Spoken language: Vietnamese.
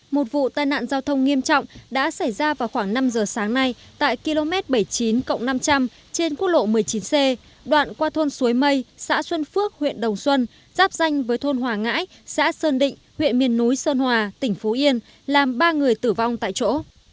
một vụ tai nạn giao thông nghiêm trọng đã xảy ra vào khoảng năm giờ sáng nay tại km bảy mươi chín năm trăm linh trên quốc lộ một mươi chín c đoạn qua thôn suối mây xã xuân phước huyện đồng xuân giáp danh với thôn hòa ngãi xã sơn định huyện miền núi sơn hòa tỉnh phú yên làm ba người tử vong tại chỗ